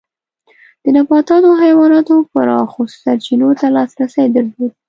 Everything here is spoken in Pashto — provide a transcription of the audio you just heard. د نباتاتو او حیواناتو پراخو سرچینو ته لاسرسی درلود.